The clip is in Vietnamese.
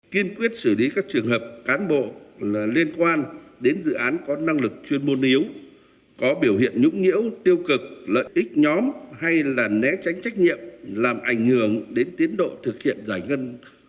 kiên quyết xử lý các trường hợp cán bộ liên quan đến dự án có năng lực chuyên môn yếu có biểu hiện nhũng nhiễu tiêu cực lợi ích nhóm hay là né tránh trách nhiệm làm ảnh hưởng đến tiến độ thực hiện giải ngân